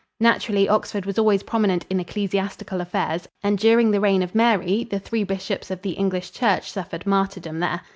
Naturally, Oxford was always prominent in ecclesiastical affairs and during the reign of Mary the three bishops of the English church suffered martyrdom there.